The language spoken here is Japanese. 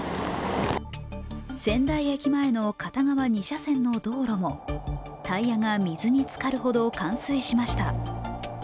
仙台駅前の片側二車線の道路もタイヤが水につかるほど冠水しました。